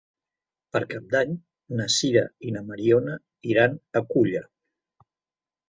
Per Cap d'Any na Sira i na Mariona iran a Culla.